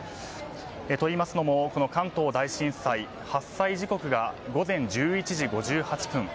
といいますのも、関東大震災発災時刻が午前１１時５８分。